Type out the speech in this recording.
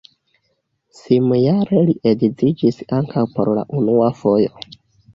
Samjare li edziĝis ankaŭ por la unua fojo.